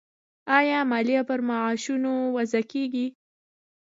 آیا مالیه پر معاشونو وضع کیږي؟